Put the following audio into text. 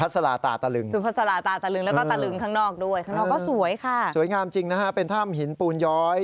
อ๋อสวยงามจริงนะฮะเป็นถ้ำหินปูนย้อย